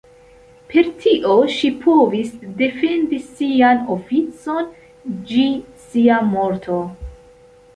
Per tio ŝi povis defendi sian oficon ĝi sia morto.